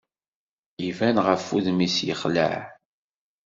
Iban ɣef wudem-is yexleɛ.